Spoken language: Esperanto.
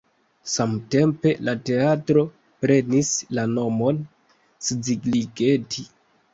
Samtempe la teatro prenis la nomon Szigligeti.